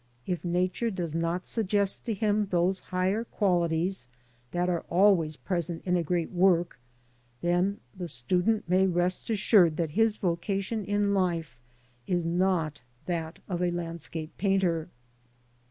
If Nature itself does not suggest to him those higher qualities that are always present in a great work, then the student may rest assured that his vocation in life is not that of a landscape painter.